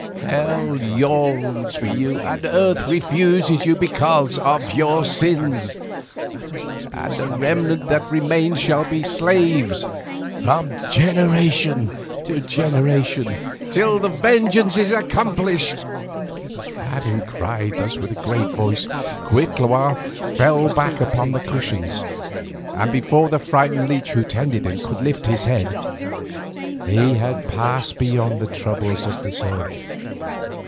Hell yawns for you and Earth refuses you because of your sins, and the remnant that remains shall be slaves from generation to generation, till the vengeance is accomplished!" Having cried thus with a great voice, Cuitlahua fell back upon the cushions, and before the frightened leech who tended him could lift his head, he had passed beyond the troubles of this earth.